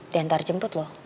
diantar jemput loh